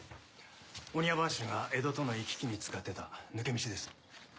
御庭番衆が江戸との行き来に使ってた抜け道です。